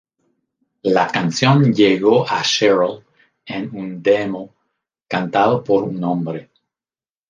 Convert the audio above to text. La canción llegó a Cheryl en un "demo" cantado por un hombre.